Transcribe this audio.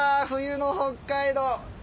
冬の北海道。